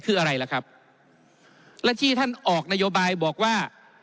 คืออะไรล่ะครับและที่ท่านออกนโยบายบอกว่า